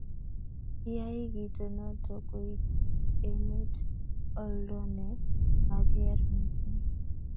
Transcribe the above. kiyai kito noto koitchi emet oldo ne ang'er mising'